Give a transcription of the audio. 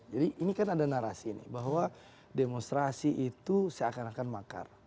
ini kan ada narasi ini bahwa demonstrasi itu seakan akan makar